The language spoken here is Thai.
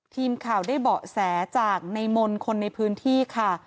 ทีมข่าวได้เบาะแสจากในมนต์คนในพื้นที่ค่ะ